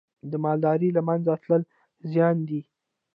د مالدارۍ له منځه تلل زیان دی.